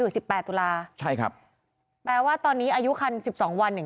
สิบแปดตุลาใช่ครับแปลว่าตอนนี้อายุคันสิบสองวันอย่าง